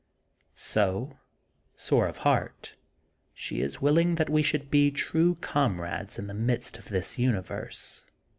So, sore of heart, she is willing that we should be true comrades in the midst of this universe.